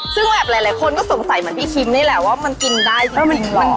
ซึ่งแบบหลายคนก็สงสัยเหมือนพี่คิมนี่แหละว่ามันกินได้ใช่ไหม